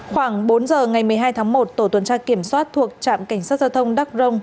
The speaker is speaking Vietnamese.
khoảng bốn giờ ngày một mươi hai tháng một tổ tuần tra kiểm soát thuộc trạm cảnh sát giao thông đắc rông